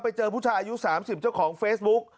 ไปเจอผู้ชายอายุ๓๐เจ้าของเฟซบุ๊ก